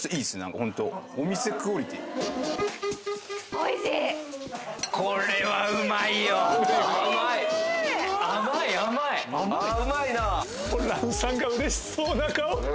ホランさんがうれしそうな顔。